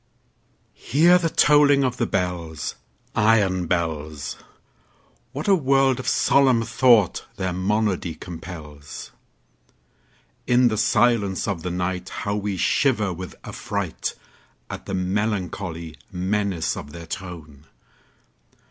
Hear the tolling of the bells, Iron bells! What a world of solemn thought their monody compels! In the silence of the nightHow we shiver with affrightAt the melancholy menace of their tone!